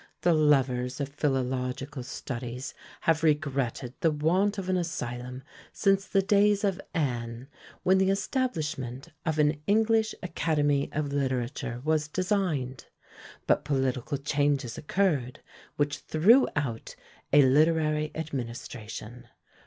The lovers of philological studies have regretted the want of an asylum since the days of Anne, when the establishment of an English Academy of Literature was designed; but political changes occurred which threw out a literary administration.